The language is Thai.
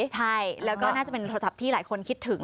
ใช่แล้วก็น่าจะเป็นโทรศัพท์ที่หลายคนคิดถึง